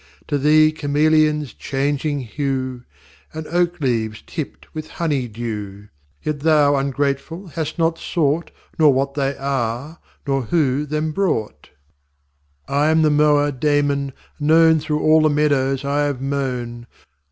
To Thee Chameleons changing hue, And Oak leaves tipt with hony dew. Yet Thou ungrateful hast not sought Nor what they are, nor who them brought. VI I am the Mower Damon, known Through all the Meadows I have mown.